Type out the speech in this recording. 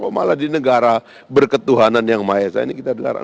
kok malah di negara berketuhanan yang mahasiswa ini kita dilarang